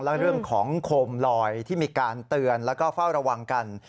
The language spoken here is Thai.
และเรื่องของโคมลอยที่มีการเตือนแล้วก็เฝ้าระวังกัน